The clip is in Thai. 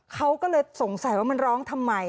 เขาก็เลยสงสัยว่ามันร้องทำไม